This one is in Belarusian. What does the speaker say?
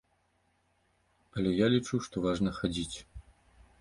Але я лічу, што важна хадзіць.